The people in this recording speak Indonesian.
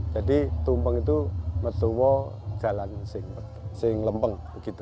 jadi tumpeng itu metuwo dalam sing lempeng